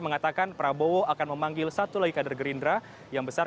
mengatakan prabowo akan memanggil satu lagi kader gerindra yang besar